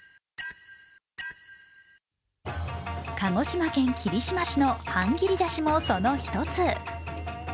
鹿児島県霧島市のはんぎり出しもその一つ。